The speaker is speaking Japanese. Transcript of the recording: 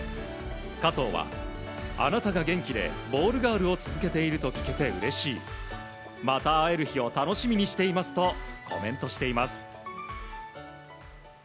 加藤はあなたが元気でボールガールを続けていると聞けてうれしいまた会える日を楽しみにしていますとコメントしています。